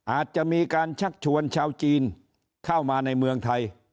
อาจจะมีการชักชวนชาวจีนเข้ามาในเมืองไทย